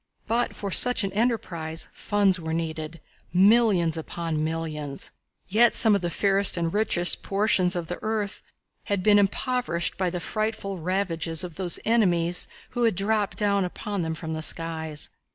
But for such an enterprise funds were needed millions upon millions. Yet some of the fairest and richest portions of the earth had been impoverished by the frightful ravages of those enemies who had dropped down upon them from the skies.